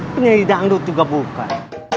penyedang itu juga bukan